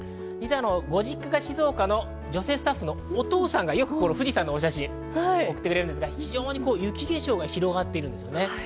ご実家が静岡の女性スタッフのお父さんが富士山の写真を送ってくれるんですが、雪化粧が広がっているんですね。